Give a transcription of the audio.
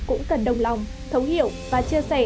cũng cần đồng lòng thấu hiểu và chia sẻ